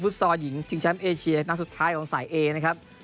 ซอลหญิงชิงแชมป์เอเชียนัดสุดท้ายของสายเอนะครับ